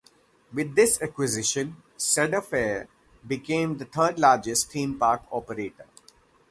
With this acquisition, Cedar Fair became the third-largest theme park operator.